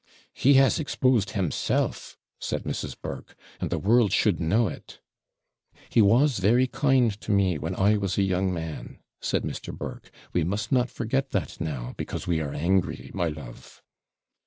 'He has exposed himself,' said Mrs. Burke; 'and the world should know it.' 'He was very kind to me when I was a young man,' said Mr. Burke; 'we must not forget that now, because we are angry, my love.'